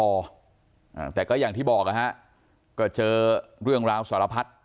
อ่าแต่ก็อย่างที่บอกอ่ะฮะก็เจอเรื่องราวสารพัด